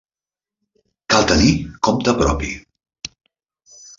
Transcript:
Cal tenir compte propi.